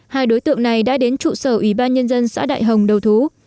hai đối tượng này đã đến trụ sở ủy ban nhân dân xã đại hồng đầu thú